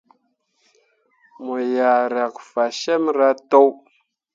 Mo yah riak fasyemme rah to.